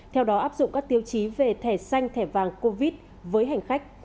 theo đó áp dụng các tiêu chí về thẻ xanh thẻ vàng covid với hành khách